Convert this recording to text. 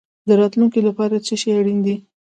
د راتلونکي لپاره څه شی اړین دی؟